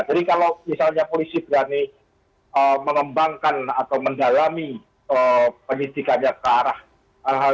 jadi kalau misalnya polisi berani mengembangkan atau mendalami penyidikannya ke arah hal yang lebih substansial ke arah itu